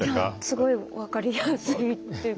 すごい分かりやすいというか。